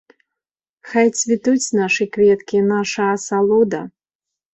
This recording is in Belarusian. Хай цвітуць нашы кветкі, наша асалода!